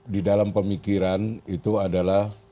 di dalam pemikiran itu adalah